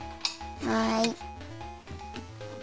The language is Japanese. はい。